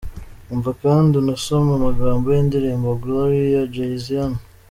Umva kandi unasome amagambo y’indirimbo Glory ya Jay-Z hano :.